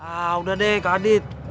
ah udah deh ke adit